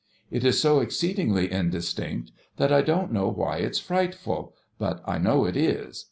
It is so exceedingly indistinct, that I don't know why it's frightful — but I know it is.